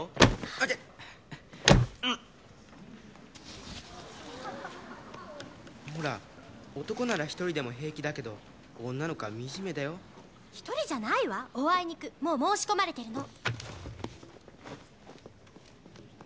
あイテッうっほら男なら１人でも平気だけど女の子は惨めだよ１人じゃないわおあいにくもう申し込まれてるの！